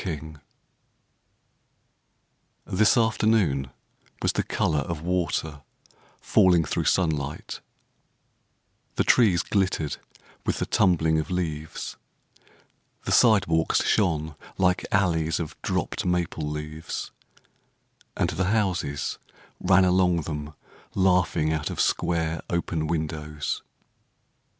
1918 THIS afternoon was the colour of water falling through sunlight ; The trees glittered with the tumbling of leaves ; The sidewalks shone like alleys of dropped maple leaves, And the houses ran along them laughing out of square, open windows.